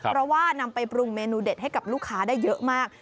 เพราะว่านำไปปรุงเมนูเด็ดให้กับลูกค้าได้เยอะมาก